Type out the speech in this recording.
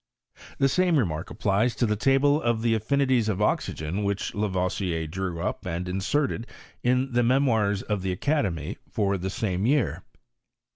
The same remark applies to the table of the affini ties of oxygen which Lavoisier drew up and inserted in the Memoirs of the Academy, for the same year.